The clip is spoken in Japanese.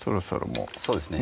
もうそうですね